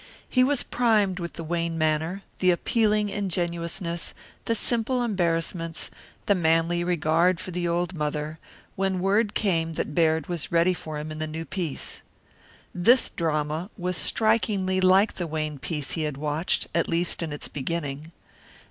He was primed with the Wayne manner, the appealing ingenuousness, the simple embarrassments; the manly regard for the old mother, when word came that Baird was ready for him in the new piece. This drama was strikingly like the Wayne piece he had watched, at least in its beginning.